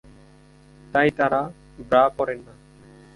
তাই তারা ব্রা পড়েন না।